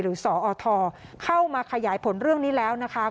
สอทเข้ามาขยายผลเรื่องนี้แล้วนะคะ